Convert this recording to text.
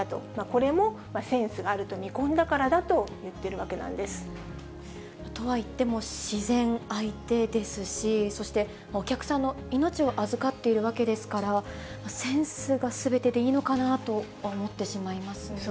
これもセンスがあると見込んだからだと言ってるわけなんです。とはいっても、自然相手ですし、そして、お客さんの命を預かっているわけですから、センスがすべてでいいのかなと思ってしまいますね。